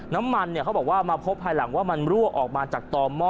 น้ำมันเนี่ยเขาบอกว่ามาพบภายหลังว่ามันรั่วออกมาจากต่อหม้อ